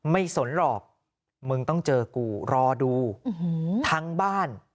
สนหรอกมึงต้องเจอกูรอดูทั้งบ้าน